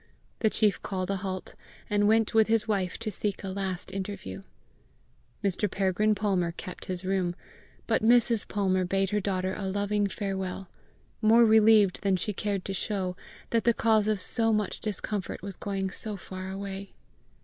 The chief called a halt, and went with his wife to seek a last interview. Mr. Peregrine Palmer kept his room, but Mrs. Palmer bade her daughter a loving farewell more relieved than she cared to show, that the cause of so much discomfort was going so far away.